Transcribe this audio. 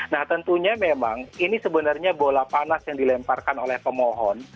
nah tentunya memang ini sebenarnya bola panas yang dilemparkan oleh pemohon